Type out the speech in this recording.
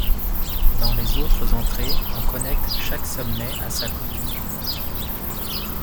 Dans les autres entrées, on connecte chaque sommet à sa copie.